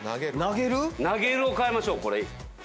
投げるを変えましょうこれ。